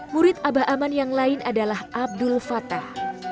murid abah aman yang lain adalah abdul fatah